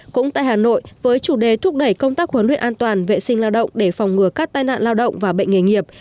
cũng tại hà nội với chủ đề thúc đẩy công tác huấn luyện an toàn vệ sinh lao động để phòng ngừa các tai nạn lao động và bệnh nghề nghiệp